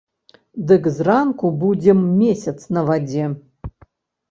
Дык зранку будзем месяц на вадзе.